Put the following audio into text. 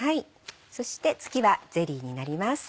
そして次はゼリーになります。